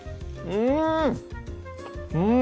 うん！